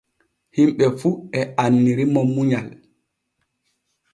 Himɓe fu e annirimo munyal.